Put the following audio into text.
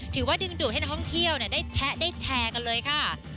ถือว่าดึงดูดให้นักท่องเที่ยวได้แชะได้แชร์กันเลยค่ะ